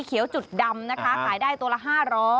เขียวจุดดำนะคะขายได้ตัวละ๕๐๐